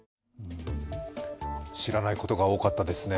知らないことが多かったですね。